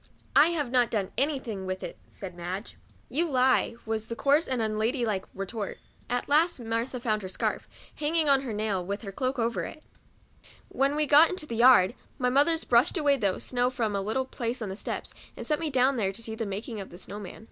" I have not clone any thing with it," said Madge. " You lie," was the coarse and unladylike retort. At last Martha found her scarf, hanging on her nail, with her cloak over it. When we got into the yard, my mothers brushed away the COUNTRY DOLL. 51 snow from off a little place on the steps, and set me down there to see the making of the snow man.